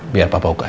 biar papa buka ya